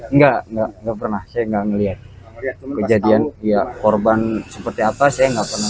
enggak enggak enggak pernah saya enggak melihat kejadian ya korban seperti apa saya nggak pernah